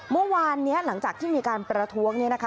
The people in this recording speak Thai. เมื่อวานนี้หลังจากที่มีการประท้วงเนี่ยนะคะ